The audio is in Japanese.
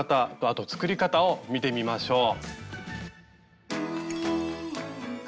あと作り方を見てみましょう。